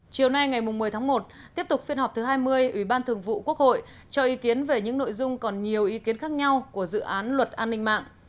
chiều nay ngày một mươi tháng một tiếp tục phiên họp thứ hai mươi ủy ban thường vụ quốc hội cho ý kiến về những nội dung còn nhiều ý kiến khác nhau của dự án luật an ninh mạng